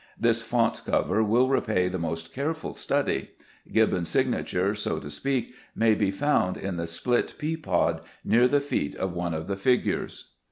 This font cover will repay the most careful study. Gibbons' signature, so to speak, may be found in the "split pea pod" near the feet of one of the figures.